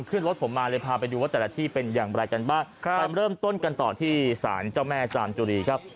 ขึ้นรถผมมาเลยพาไปดูว่าแต่ละที่เป็นอย่างไรกันบ้างครับไปเริ่มต้นกันต่อที่สารเจ้าแม่จามจุรีครับ